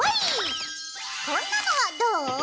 こんなのはどう？